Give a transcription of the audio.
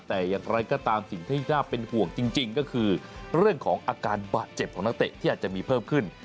แต่อย่างไรก็ตามสิ่งที่น่าเป็นห่วงจริงก็คือเรื่องของอาการบาดเจ็บของนักเตะที่อาจจะมีเพิ่มขึ้น